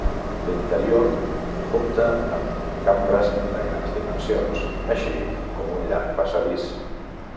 L'interior compta amb cambres de grans dimensions així com un llarg passadís.